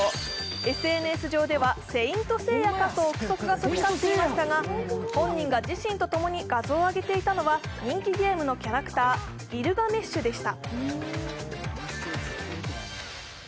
ＳＮＳ上では聖闘士星矢かと憶測が飛び交っていましたが本人が自身とともに画像を上げていたのは人気ゲームのキャラクター、ギルガメッシュでした。